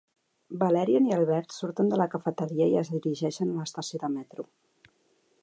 Valérian i Albert surten de la cafeteria i es dirigeixen a l'estació de metro.